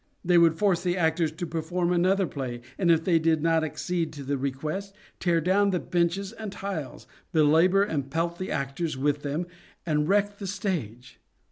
They would force the actors to perform another play, and, if they did not 20 SHAKESPEAREAN THEATRES accede to the request, tear down the benches and tiles, belabour and pelt the actors with them, and wreck the stage.